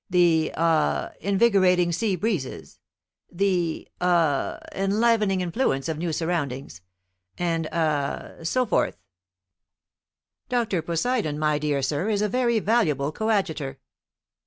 The aw invigorating sea breezes, the aw enlivening influence of new surroundings, and aw so forth. Dr. Poseidon, my dear sir, is a very valuable coadjutor."